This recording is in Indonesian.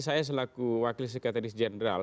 saya selaku wakil sekretaris jenderal